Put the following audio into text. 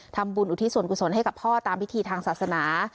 อุทิศส่วนกุศลให้กับพ่อตามพิธีทางศาสนา